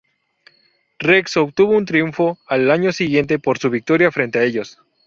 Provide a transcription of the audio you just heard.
Rex obtuvo un triunfo al año siguiente por su victoria frente a ellos.